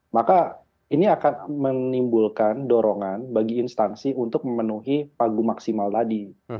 maka ini akan menimbulkan dorongan bagi instansi untuk memenuhi pagu maksimal tadi